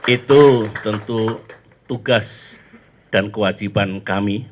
itu tentu tugas dan kewajiban kami